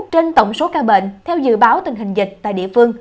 trên tổng số ca bệnh theo dự báo tình hình dịch tại địa phương